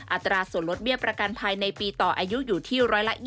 อัตราส่วนลดเบี้ยประกันภัยในปีต่ออายุอยู่ที่๑๒๐